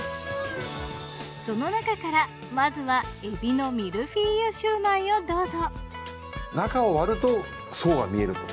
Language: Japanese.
その中からまずは海老のミルフィーユ焼売をどうぞ。